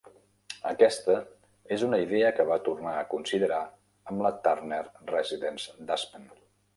Aquesta és una idea que va tornar a considerar amb la Turner Residence d'Aspen.